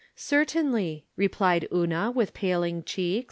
" Certainly," replied Una, with paling cheeks.